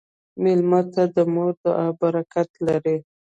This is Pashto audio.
مېلمه ته د مور دعا برکت لري.